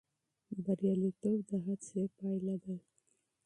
بریالیتوب د هڅې پایله ده.